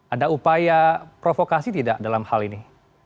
ada upaya provokasi tidak dalam hal ini